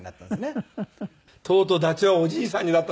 とうとうダチョウはおじいさんになったのか。